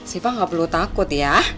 siva nggak perlu takut ya